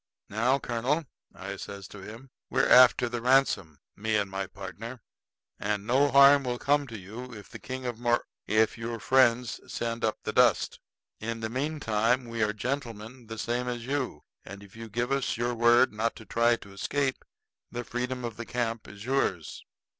"Now, colonel," I says to him, "we're after the ransom, me and my partner; and no harm will come to you if the King of Mor if your friends send up the dust. In the meantime we are gentlemen the same as you. And if you give us your word not to try to escape, the freedom of the camp is yours."